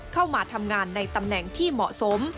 เข้ามาทำงานในตำแหน่งที่เหมาะสม